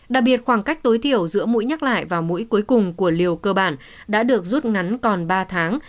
đặc biệt khoảng cách tối thiểu giữa mũi nhắc lại và mũi cuối cùng của liều cơ bản đã được rút ngắn còn ba tháng